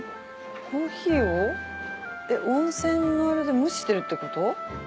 コーヒーを温泉のあれで蒸してるってこと？